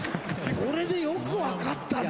これでよく分かったね。